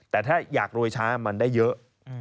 แต่ถ้าอยากรวยช้ามันได้เยอะ